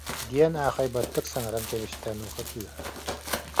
диэн аахайбаттык саҥаран кэбистэ, онуоха кыыһа: